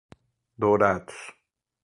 Dourados